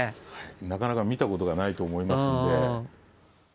なかなか見たことがないと思いますんで。